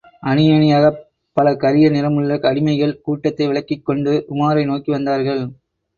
அணியணியாகப் பல கரிய நிறமுள்ள அடிமைகள் கூட்டத்தை விலக்கிக் கொண்டு, உமாரை நோக்கி வந்தார்கள்!